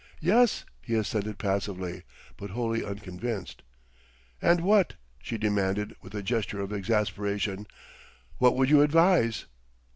"Yes," he assented passively, but wholly unconvinced. "And what," she demanded with a gesture of exasperation, "what would you advise?"